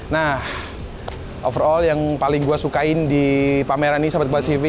nah overall yang paling gue sukain di pameran ini mbak sivy